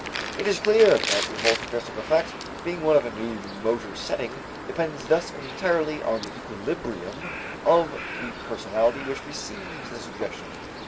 It is clear that the whole suggestive effect, being one of a new motor setting, depends thus entirely on the equilibrium of the personality which receives the suggestion.